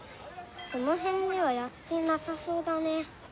このへんではやってなさそうだね。